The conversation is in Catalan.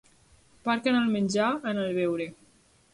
Parc en el menjar, en el beure.